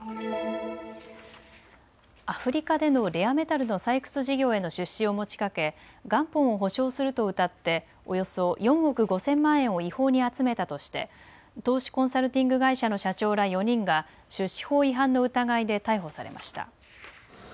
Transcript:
アフリカでのレアメタルの採掘事業への出資を持ちかけ元本を保証するとうたっておよそ４億５０００万円を違法に集めたとして投資コンサルティング会社の社長ら４人が出資法違反の疑いで逮捕されました。